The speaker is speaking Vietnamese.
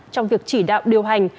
trong việc chỉ đạo điều hành